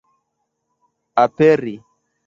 aperi